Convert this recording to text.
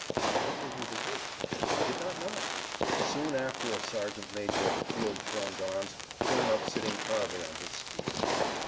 What were we to do? We did not know. Soon after a sergeant major of the field gendarmes came up sitting proudly on his steed.